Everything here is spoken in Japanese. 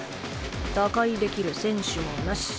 打開できる選手もなし。